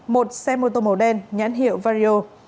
một xe mô tô màu đen nhãn hiệu vario